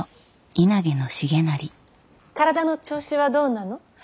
体の調子はどうなの。